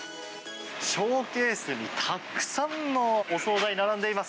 ショーケースに、たくさんのお総菜並んでいます。